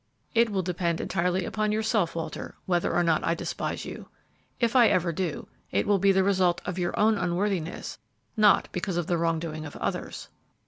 "It will depend entirely upon yourself, Walter, whether or not I despise you. If I ever do, it will be the result of your own unworthiness, not because of the wrong doing of others."